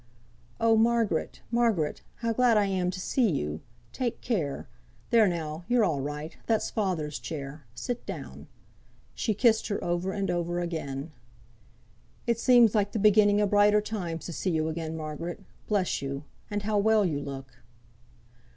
"Oh! Margaret, Margaret! how glad I am to see you. Take care. There, now, you're all right, that's father's chair. Sit down." She kissed her over and over again. "It seems like the beginning o' brighter times, to see you again, Margaret. Bless you! And how well you look!"